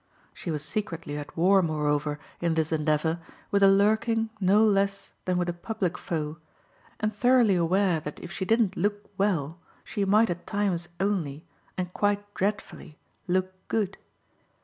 She was secretly at war moreover, in this endeavour, with a lurking no less than with a public foe, and thoroughly aware that if she didn't look well she might at times only, and quite dreadfully, look good.